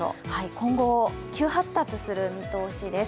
今後、急発達する見通しです。